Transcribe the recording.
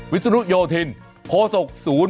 วิสุนุทยธินโภษกษูนย์